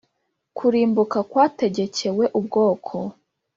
Kurimbuka kwategekewe ubwoko